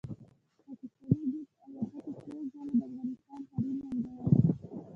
پاکستاني جېټ الوتکو څو ځله د افغانستان حریم ننګولی